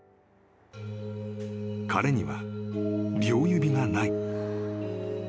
［彼には両指がない］